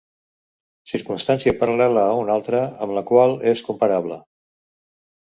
Circumstància paral·lela a una altra, amb la qual és comparable.